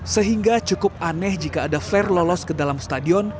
sehingga cukup aneh jika ada flare lolos ke dalam stadion